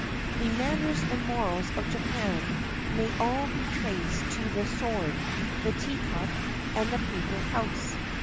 The manners and morals of Japan may all be traced to the sword, the tea cup, and the paper house.